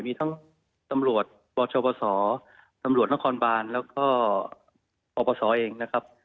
มีทั้งตำรวจปชปศตำรวจนครบานแล้วก็ปปศเองนะครับ